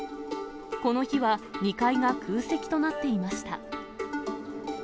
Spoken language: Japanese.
この日は２階が空席となっていました。